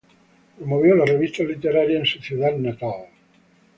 Promovió las revistas literarias en su ciudad natal.